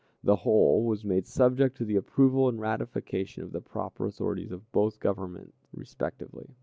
The whole was made subject to the approval and ratification of the proper authorities of both governments respectively.